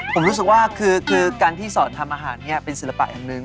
ผมรู้สึกว่าคือการที่สอนทำอาหารเป็นศิลปะอันหนึ่ง